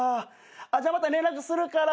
じゃあまた連絡するから。